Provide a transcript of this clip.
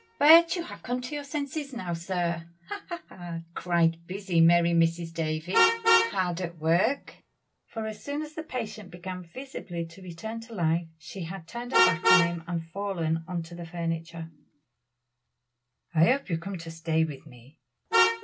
"But you have come to your senses now, sir! ha! ha! ha!" cried busy, merry Mrs. Davies, hard at work. For as soon as the patient began visibly to return to life, she had turned her back on him and fallen on the furniture. "I hope you are come to stay with me."